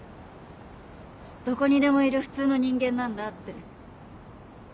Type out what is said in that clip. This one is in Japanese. どこにでもいる普通の人間なんだって。